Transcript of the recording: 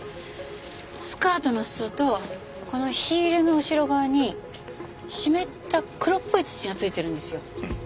スカートの裾とこのヒールの後ろ側に湿った黒っぽい土が付いてるんですよ。